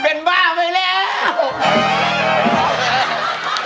เป็นบ้าไปแล้ว